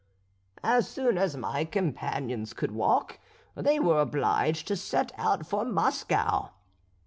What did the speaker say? "As soon as my companions could walk, they were obliged to set out for Moscow.